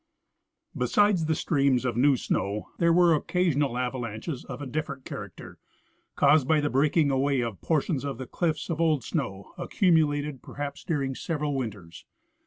Besides the streams of new snow, there were occasional ava lanches of a different character, caused by the breaking away of portions of the cliffs of old snow, accumulated, perhaps, during several winters.